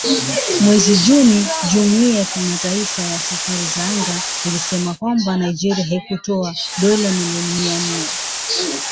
mwezi Juni jumuiya ya kimataifa ya safari za anga ilisema kwamba Nigeria haikutoa dola milioni mia nne